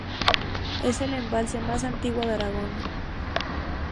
Es el embalse más antiguo de Aragón.